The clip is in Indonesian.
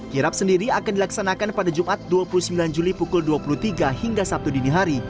kirap sendiri akan dilaksanakan pada jumat dua puluh sembilan juli pukul dua puluh tiga hingga sabtu dini hari